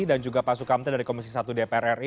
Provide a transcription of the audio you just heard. dan juga pak sukamta dari komisi satu dpr ri